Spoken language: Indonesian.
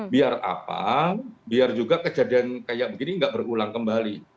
biar apa biar juga kejadian kayak begini nggak berulang kembali